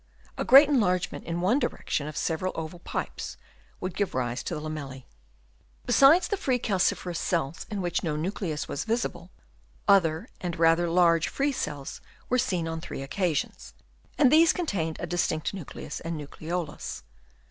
A great enlargement in one direction of several oval pipes would give rise to the lamella?. Besides the free calciferous cells in which no nucleus was visible, other and rather larger free cells were seen on three occasions ; Chap. I. CALCIFEROUS GLANDS. 49 and these contained a distinct nucleus and nucleolus.